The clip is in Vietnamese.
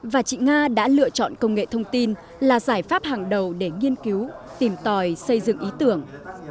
và chị nga đã lựa chọn công nghệ thông tin là giải pháp hàng đầu để nghiên cứu tìm tòi xây dựng ý tưởng